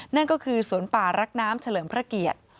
นั่นก็คือสวนป่ารักน้ำเฉลิมพระเกียรติ